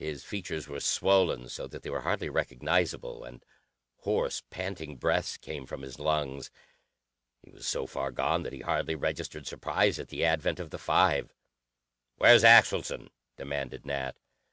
His features were swollen so that they were hardly recognizable, and hoarse, panting breaths came from his lungs. He was so far gone that he hardly registered surprise at the advent of the five. "Where's Axelson?" demanded Nat.